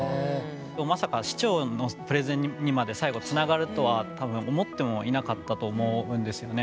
まさか市長のプレゼンにまで最後つながるとは多分思ってもいなかったと思うんですよね。